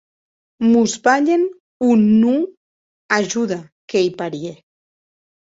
Mos balhen o non ajuda, qu’ei parièr!